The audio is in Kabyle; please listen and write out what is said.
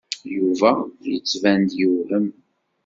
Yuba yettban-d yewhem.